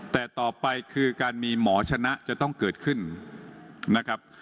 แต่ต่อไปคือการมีหมอชนะจะต้องเกิดขึ้นนะครับ